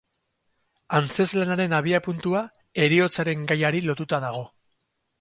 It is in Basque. Antzezlanaren abiapuntua heriotzaren gaiari lotuta dago.